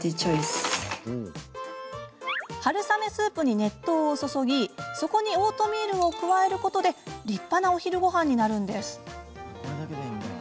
春雨スープに熱湯を注ぎ、そこにオートミールを加えることで立派なお昼ごはんになるんです。